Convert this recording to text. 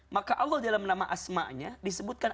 maka allah dalam nama asma'nya disebutkan